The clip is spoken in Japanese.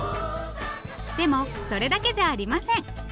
でもそれだけじゃありません。